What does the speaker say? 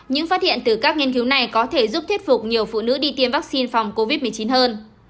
những phát hiện từ các nghiên cứu này có thể giúp thuyết phục nhiều phụ nữ đi tiêm vaccine phòng covid một mươi chín hơn